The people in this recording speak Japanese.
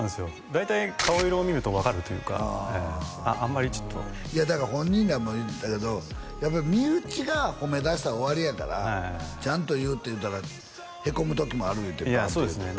大体顔色を見ると分かるというかあんまりちょっとだから本人らも言ったけどやっぱり身内が褒めだしたら終わりやからちゃんと言うって言ったらへこむ時もある言うていやそうですね